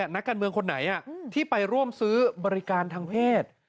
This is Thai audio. นักการเมืองคนไหนที่ไปร่วมซื้อบริการทางเพศ